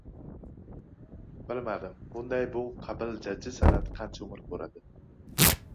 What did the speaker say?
Bilmadim, bunday, bu qabil jajji san’at qancha umr ko‘radi?